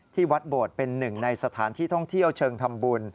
ที่วัดโบดเป็นหนึ่งในสถานที่ท่องเที่ยวเชิงทำบุญ